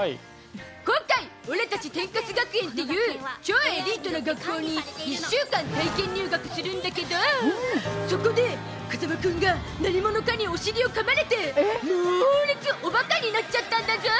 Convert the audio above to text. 今回、オラたち天カス学園っていう超エリートな学園に１週間、体験入学するんだけどそこで風間君が何者かにお尻をかまれてモーレツお馬鹿になっちゃったんだゾ。